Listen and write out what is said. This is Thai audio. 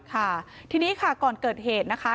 ค่ะทีนี้ค่ะก่อนเกิดเหตุนะคะ